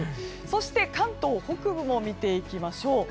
そして関東北部も見ていきましょう。